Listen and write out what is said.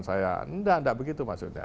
saya enggak enggak begitu maksudnya